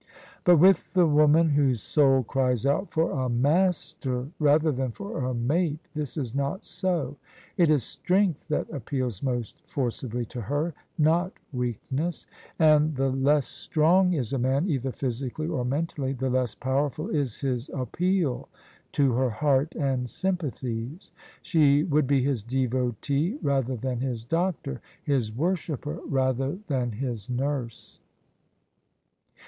But with the woman whose soul cries out for a master rather than for a mate, this is not so. It is strength that appeals most forcibly to her — ^not weakness: and the less THE SUBJECTION strong IS a man, either physically or mentally, the less power ful is his appeal to her heart and sympathies. She would be his devotee rather than his doctor — ^his worshipper rather than his nurse.